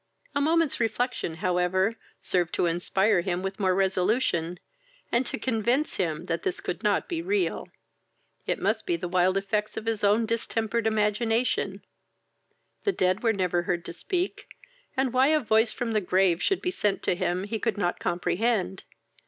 A moment's reflection, however, served to inspire him with more resolution, and to convince him that this could not be real; it must be the wild effects of his own distempered imagination; the dead were never heard to speak, and why a voice from the grave should be sent to him he could not comprehend.